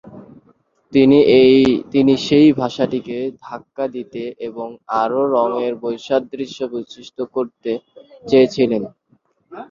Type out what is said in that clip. তিনি সেই ভাষাটিকে "ধাক্কা" দিতে এবং আরও রঙের বৈসাদৃশ্য বৈশিষ্ট্য করতে চেয়েছিলেন।